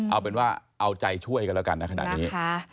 เอาเป็นว่าเอาใจช่วยกันแล้วกันนะขณะนี้